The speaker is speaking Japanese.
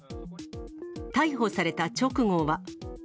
逮捕された直後は。